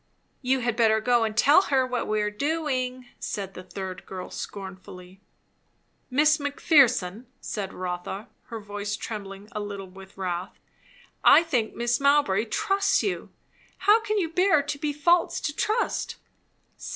"You had better go and tell her what we are doing," said the third girl scornfully. "Miss Mc Pherson," said Rotha, her voice trembling a little with wrath, "I think Mrs. Mowbray trusts you. How can you bear to be false to trust?"